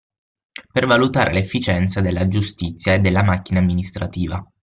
Per valutare l'efficienza della giustizia e della macchina amministrativa.